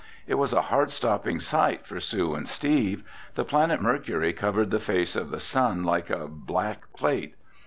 It was a heart stopping sight for Sue and Steve. The planet Mercury covered the face of the sun like a black plate.